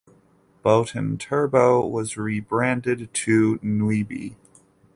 BotonTurbo was re-branded to Niubie.